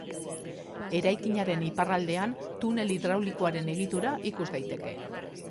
Eraikinaren iparraldean, tunel hidraulikoaren egitura ikus daiteke.